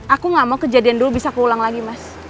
aku gak mau kejadian dulu bisa keulang lagi mas